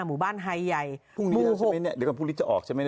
หมู่บ้านไทยใยครึ่งนี้ใช่ไหมเนี้ยเดี๋ยวกับพวกนี้จะออกใช่ไหม